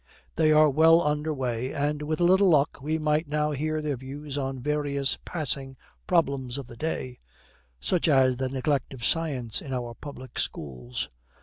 They are well under weigh, and with a little luck we might now hear their views on various passing problems of the day, such as the neglect of science in our public schools.